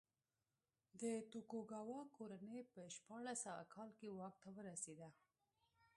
د توکوګاوا کورنۍ په شپاړس سوه کال کې واک ته ورسېده.